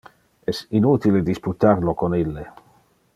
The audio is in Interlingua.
Es inutile disputar lo con ille.